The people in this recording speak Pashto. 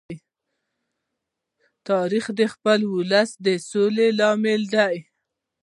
تاریخ د خپل ولس د سولې لامل دی.